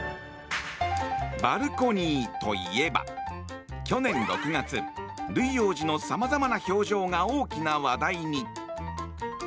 バルコニーといえば去年６月ルイ王子のさまざまな表情が大きな話題に。